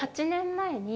８年前？